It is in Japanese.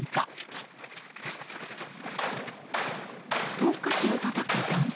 トンカチをたたく男性。